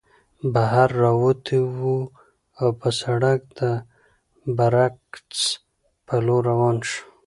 بهر راووتو او پۀ سړک د برکڅ په لور روان شو